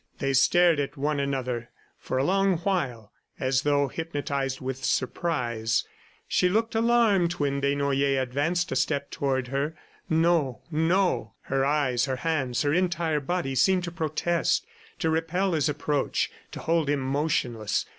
They stared at one another for a long while, as though hypnotized with surprise. She looked alarmed when Desnoyers advanced a step toward her. No ... No! Her eyes, her hands, her entire body seemed to protest, to repel his approach, to hold him motionless.